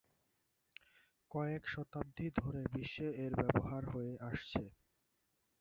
কয়েক শতাব্দী ধরে বিশ্বে এর ব্যবহার হয়ে আসছে।